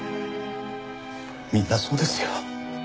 みんなそうですよ。